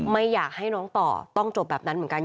ไม่อยากให้น้องต่อต้องจบแบบนั้นเหมือนกัน